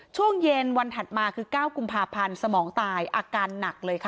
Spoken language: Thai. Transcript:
ช่วงเย็นวันถัดมาคือ๙กุมภาพันธ์สมองตายอาการหนักเลยค่ะ